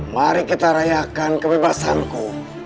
mari kita rayakan kebebasanku